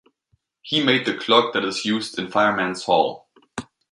He made the clock that is used in Fireman's Hall.